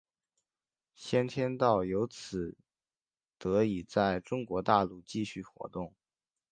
先天道由此得以在中国大陆继续活动。